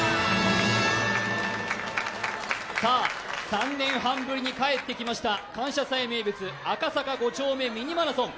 ３年半ぶりに帰ってきました「感謝祭」名物「赤坂５丁目ミニマラソン」。